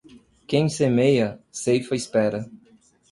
Quem semeia, ceifa espera.